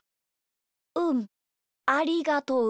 うんありがとう。